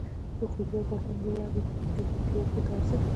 د ښوونځیو او پوهنتونونو له لارې دې د اوبو د ارزښت.